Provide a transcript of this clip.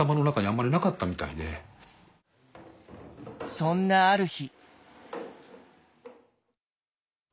そんなある日。